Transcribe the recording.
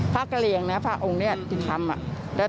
พระเกลียงนะพระองค์นี้ที่ทำอ่ะ